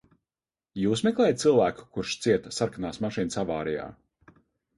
Jūs meklējat cilvēku, kurš cieta sarkanās mašīnas avārijā?